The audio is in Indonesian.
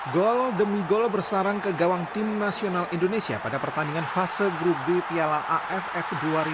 gol demi gol bersarang ke gawang tim nasional indonesia pada pertandingan fase grup b piala aff dua ribu dua puluh